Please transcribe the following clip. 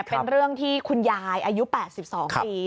เป็นเรื่องที่คุณยายอายุ๘๒ปี